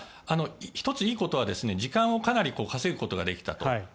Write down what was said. １ついいことは時間をかなり稼ぐことができたと。